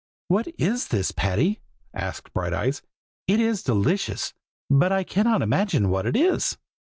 "What is this, Patty?" asked Brighteyes; "it is delicious, but I cannot imagine what it is."